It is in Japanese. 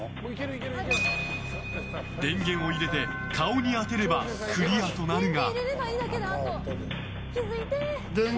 電源を入れて顔に当てればクリアとなるが。